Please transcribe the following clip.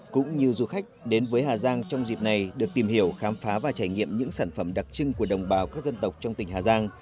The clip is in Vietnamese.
cũng như du khách đến với hà giang trong dịp này được tìm hiểu khám phá và trải nghiệm những sản phẩm đặc trưng của đồng bào các dân tộc trong tỉnh hà giang